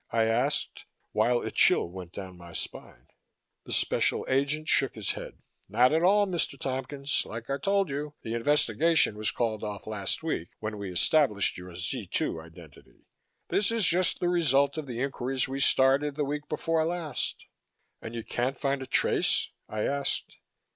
I asked, while a chill went down my spine. The Special Agent shook his head. "Not at all, Mr. Tompkins. Like I told you, the investigation was called off last week, when we established your Z 2 identity. This is just the result of the inquiries we started the week before last." "And you can't find a trace?" I asked.